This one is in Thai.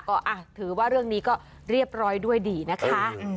ก็ถือว่าเรื่องนี้ก็เรียบร้อยด้วยดีนะคะ